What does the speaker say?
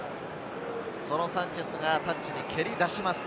そのサンチェスがタッチに蹴り出します。